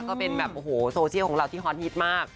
ก็เป็นแบบโอ้โหโซเชียลของเราที่ฮอตฮิตมาก